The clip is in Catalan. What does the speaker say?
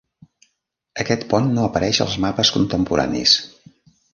Aquest pont no apareix als mapes contemporanis.